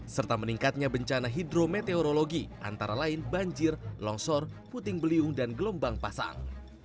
serta meningkatnya bencana hidrometeorologi antara lain banjir longsor puting beliung dan gelombang pasang